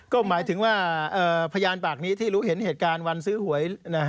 ก็หมายถึงว่าพยานปากนี้ที่รู้เห็นเหตุการณ์วันซื้อหวย